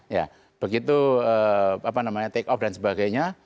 ya begitu take off dan sebagainya